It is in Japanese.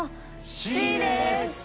Ｃです！